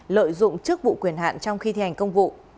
lợi dụng chức vụ quyền hạn trong khi thi hành công vụ